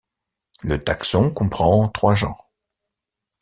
Le taxon comprend trois genres.